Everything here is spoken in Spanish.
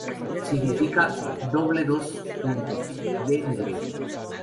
Significa "doble dos puntos" en Hebreo.